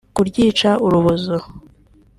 kuryica urubozo